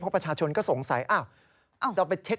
ยอมรับว่าการตรวจสอบเพียงเลขอยไม่สามารถทราบได้ว่าเป็นผลิตภัณฑ์ปลอม